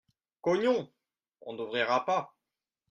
Cognons ! On n'ouvrira pas.